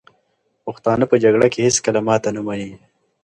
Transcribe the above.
پښتانه په جګړه کې هېڅکله ماته نه مني.